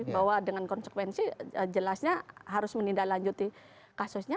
bahwa dengan konsekuensi jelasnya harus menindaklanjuti kasusnya